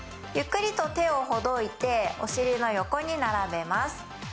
ゆっくりと手をほどいてお尻の横に並べます。